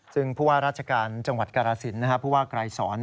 ซึ่งรัชกาลจังหวัดกราศิลป์พูดว่ากรายสอน